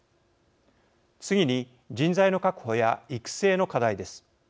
次に人材の確保や育成の課題です。